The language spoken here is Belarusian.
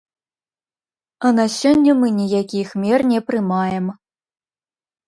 А на сёння мы ніякіх мер не прымаем.